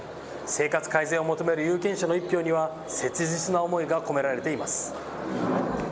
生活改善を求める有権者の１票には切実な思いが込められています。